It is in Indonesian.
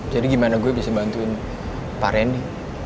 jadi gimana gue bisa bantuin pak rendi